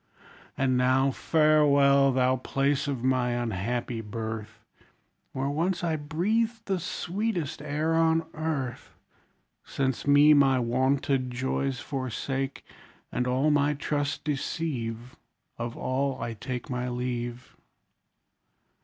And now farewell! thou place of my unhappy birth, Where once I breathed the sweetest air on earth; Since me my wonted joys forsake, And all my trust deceive; Of all I take My leave.